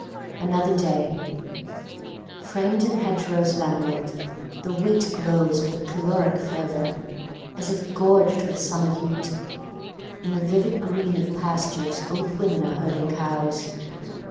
Another day. Framed in hedgerows of emerald, the wheat glows with a caloric fervor, as if gorged with summer heat. In the vivid green of pastures old women are herding cows.